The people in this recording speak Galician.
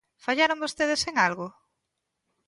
¿Fallaron vostedes en algo?